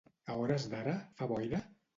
A hores d'ara, fa boira?